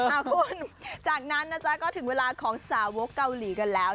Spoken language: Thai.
เอาคุณจากนั้นนะจ๊ะก็ถึงเวลาของสาวกเกาหลีกันแล้ว